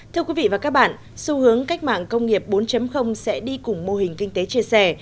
thưa quý vị và các bạn xu hướng cách mạng công nghiệp bốn sẽ đi cùng mô hình kinh tế chia sẻ